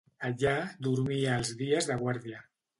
Allà, dormia els dies de guàrdia.